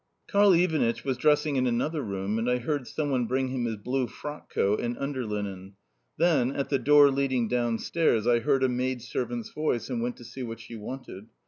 Karl Ivanitch was dressing in another room, and I heard some one bring him his blue frockcoat and under linen. Then at the door leading downstairs I heard a maid servant's voice, and went to see what she wanted.